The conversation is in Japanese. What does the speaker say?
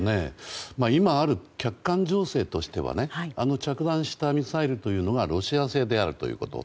今ある客観情勢としては着弾したミサイルがロシア製であるということ。